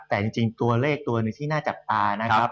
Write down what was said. แต่จริงตัวเลขตัวหนึ่งที่น่าจับตานะครับ